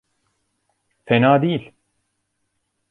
Fena değil.